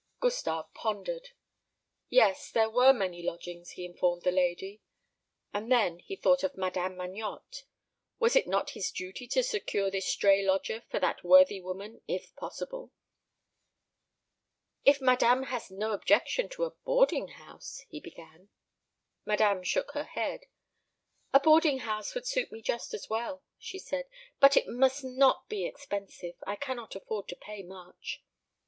Gustave pondered. Yes, there were many lodgings, he informed the lady. And then he thought of Madame Magnotte. Was it not his duty to secure this stray lodger for that worthy woman, if possible? "If madame has no objection to a boarding house " he began. Madame shook her head. "A boarding house would suit me just as well," she said; "but it must not be expensive. I cannot afford to pay much."